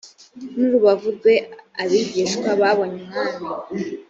n urubavu rwe abigishwa babonye umwami